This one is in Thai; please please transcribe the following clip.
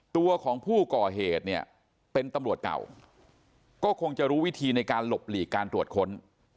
ตัวของผู้ก่อเหตุเนี่ยเป็นตำรวจเก่าก็คงจะรู้วิธีในการหลบหลีกการตรวจค้น